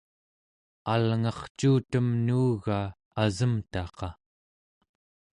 alngarcuutem nuuga asemtaqa